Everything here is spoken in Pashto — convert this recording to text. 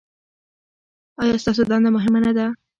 ایا ستاسو دنده مهمه نه ده؟